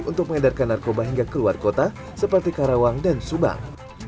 untuk mengedarkan narkoba hingga keluar kota seperti karawang dan subang